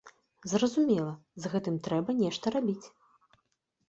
Зразумела, з гэтым трэба нешта рабіць.